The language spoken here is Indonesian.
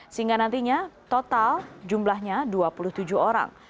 sehingga nantinya total jumlahnya dua puluh tujuh orang